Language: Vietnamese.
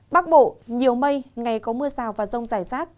bắc bộ nhiều mây ngày có mưa rào và rông rải rác